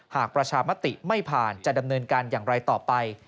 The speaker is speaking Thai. ประชามติไม่ผ่านจะดำเนินการอย่างไรต่อไป